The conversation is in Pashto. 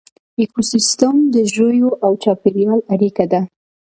ایکوسیسټم د ژویو او چاپیریال اړیکه ده